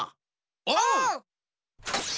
おう！